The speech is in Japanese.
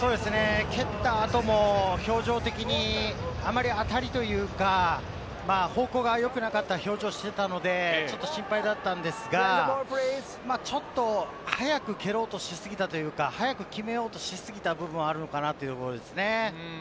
蹴った後も表情的にあまり当たりというか、方向がよくなかった表情をしていたので、ちょっと心配だったんですが、ちょっと早く蹴ろうとしすぎたというか、早く決めようとしすぎた部分があるのかな？ということですね。